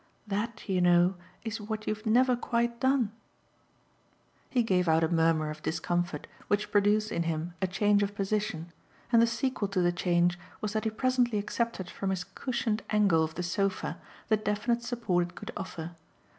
That, you know, is what you've never quite done." He gave out a murmur of discomfort which produced in him a change of position, and the sequel to the change was that he presently accepted from his cushioned angle of the sofa the definite support it could offer.